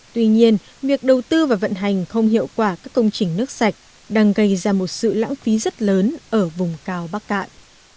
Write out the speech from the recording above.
tuy nhiên việc đầu tư và vận hành không hiệu quả các công trình nước sạch đang gây ra một sự lãng phí rất lớn ở vùng cao bắc cạn